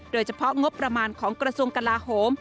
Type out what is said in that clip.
โดยเฉพาะงบประมาณของกระทรวงกลาโหม